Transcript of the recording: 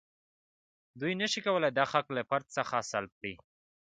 دوی نشي کولای دا حق له فرد څخه سلب کړي.